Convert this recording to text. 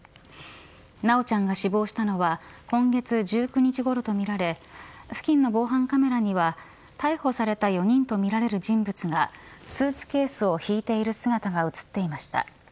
修ちゃんが死亡したのは今月１９日ごろとみられ付近の防犯カメラには逮捕された４人とみられる人物がスーツケースを引いている姿が映っていました。